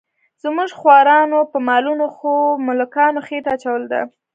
زموږ خوارانو په مالونو خو ملکانو خېټه اچولې ده.